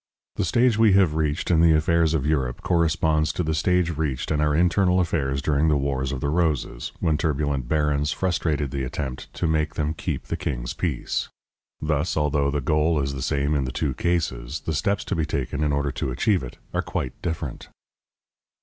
The stage we have reached in the affairs of Europe corresponds to the stage reached in our internal affairs during the Wars of the Roses, when turbulent barons frustrated the attempt to make them keep the king's peace. Thus, although the goal is the same in the two cases, the steps to be taken in order to achieve it are quite different.